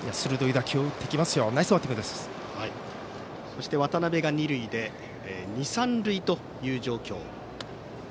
そして渡邊が二塁で二、三塁という状況。